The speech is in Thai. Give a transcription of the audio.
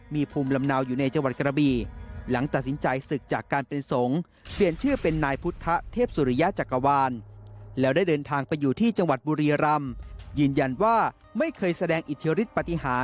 มีภูมิลำเนาอยู่ในจังหวัดกรบิ